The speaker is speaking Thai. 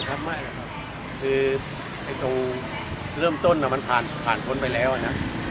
ซที่เริ่มต้นมันผ่านพนไปแล้วนะ